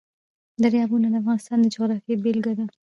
دریابونه د افغانستان د جغرافیې بېلګه ده.